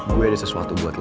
gue ada sesuatu buat